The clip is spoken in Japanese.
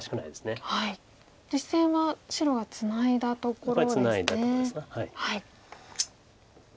実戦は白がツナいだところですね。